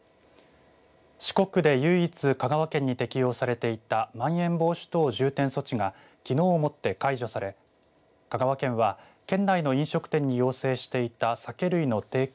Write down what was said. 四国で唯一、香川県に適用されていたまん延防止等重点措置がきのうをもって解除され香川県は県内の飲食店に要請していた酒類の提供